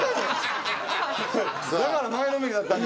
だから前のめりだったんだ。